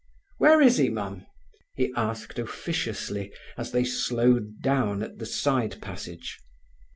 "Where is he, Mum?" he asked officiously, as they slowed down at the side passage.